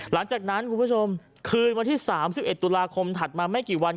หลังจากนั้นคุณผู้ชมคืนวันที่๓๑ตุลาคมถัดมาไม่กี่วัน